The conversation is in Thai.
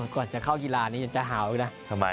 ก่อนจะเข้ากีฬานี้จะหาวอีกนะ